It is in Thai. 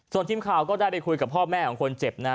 ส่วนทีมข่าวก็ได้ไปคุยกับพ่อแม่ของคนเจ็บนะฮะ